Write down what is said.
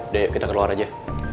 udah yuk kita keluar aja